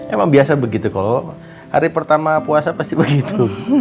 emang biasa begitu kalau hari pertama puasa pasti begitu